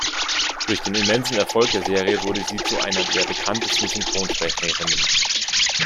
Durch den immensen Erfolg der Serie wurde sie zu einer der bekanntesten Synchronsprecherinnen.